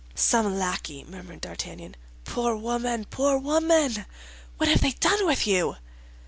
"Some lackey," murmured D'Artagnan. "Poor woman, poor woman, what have they done with you?"